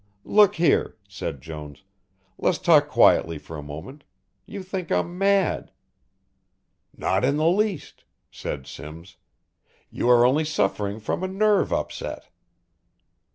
"Look here," said Jones. "Let's talk quietly for a moment you think I'm mad." "Not in the least!" said Simms. "You are only suffering from a nerve upset."